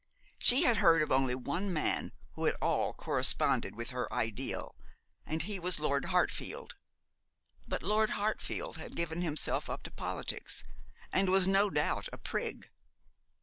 She had heard of only one man who at all corresponded with her ideal, and he was Lord Hartfield. But Lord Hartfield had given himself up to politics, and was no doubt a prig.